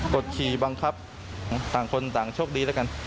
ดขี่บังคับต่างคนต่างโชคดีแล้วกัน